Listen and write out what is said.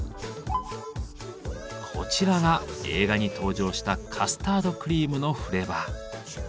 こちらが映画に登場したカスタードクリームのフレーバー。